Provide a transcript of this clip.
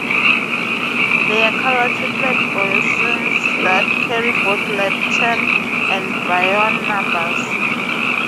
They are color-triplet bosons that carry both lepton and baryon numbers.